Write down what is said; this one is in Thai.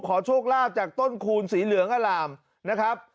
โชคลาภจากต้นคูณสีเหลืองอล่ามนะครับ